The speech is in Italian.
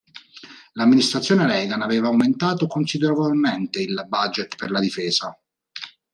L'amministrazione Reagan aveva aumentato considerevolmente il budget per la difesa.